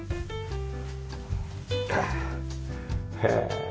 へえ。